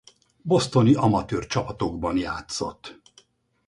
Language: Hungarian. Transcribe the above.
Bostoni amatőr csapatokban játszott.